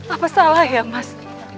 apa salah ya mas